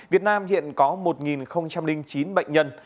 việt nam hiện có một chín bệnh nhân